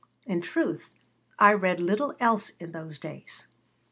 In truth I read little else in those days.